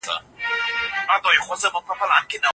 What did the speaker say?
هغه په ډېر جرئت د پاچا په وړاندې ودرېد.